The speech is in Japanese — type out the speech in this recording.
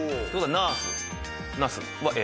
ナースナスはＡ。